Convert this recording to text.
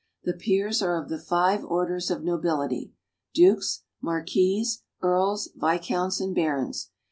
The peers are of the five orders of nobility: dukes, marquises, earls,, viscounts, and barons.